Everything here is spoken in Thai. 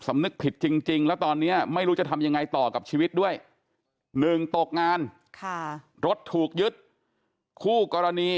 ไม่ยอมความครับ